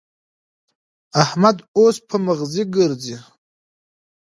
احمد اوس په مغزي ګرزي.